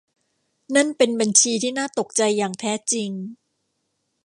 นั่นเป็นบัญชีที่น่าตกใจอย่างแท้จริง